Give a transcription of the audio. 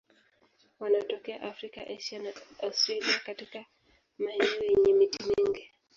Wanatokea Afrika, Asia na Australia katika maeneo yenye miti mingi.